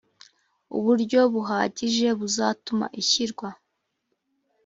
uburyo buhagije buzatuma ishyirwa